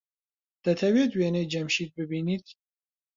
دەتەوێت وێنەی جەمشید ببینیت؟